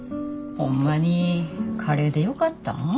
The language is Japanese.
ホンマにカレーでよかったん？